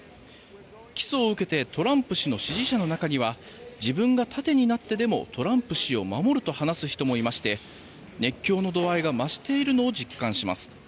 起訴を受けてトランプ氏の支持者の中には自分が盾になってでもトランプ氏を守ると話す人もいまして熱狂の度合いが増しているのを実感します。